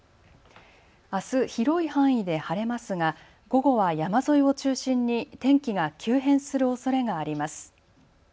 あす、広い範囲で晴れますが午後は山沿いを中心に天気が急変するおそれがあります。